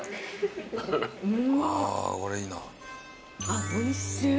あっおいしい。